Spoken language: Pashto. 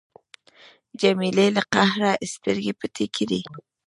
جمیلې له قهره سترګې پټې کړې.